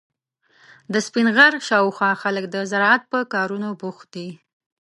د سپین غر شاوخوا خلک د زراعت په کارونو بوخت دي.